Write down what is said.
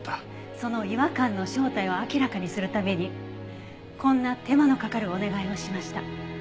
その違和感の正体を明らかにするためにこんな手間のかかるお願いをしました。